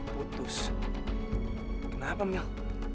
putus kenapa mel